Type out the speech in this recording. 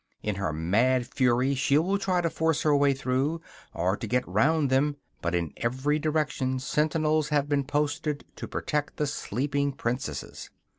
In her mad fury, she will try to force her way through, or to get round them; but in every direction sentinels have been posted to protect the sleeping princesses.